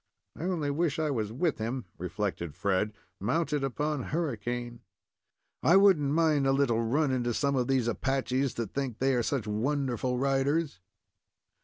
"I only wish I was with him," reflected Fred, "mounted upon Hurricane. I wouldn't mind a little run into some of these Apaches that think they are such wonderful riders."